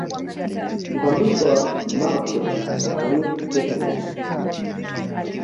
uhamisho wa mbappe una gharimu pesa nyingi